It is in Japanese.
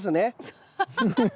ハハハハッ。